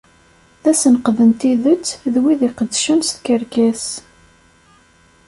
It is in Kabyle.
D asenqed n tidet d wid iqeddcen s tkerkas.